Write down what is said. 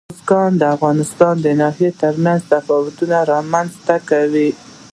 بزګان د افغانستان د ناحیو ترمنځ تفاوتونه رامنځ ته کوي.